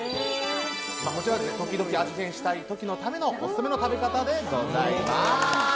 時々、味変したい時のためのオススメの食べ方でございます。